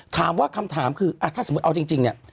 คำถามคือถ้าสมมุติเอาจริงเนี่ย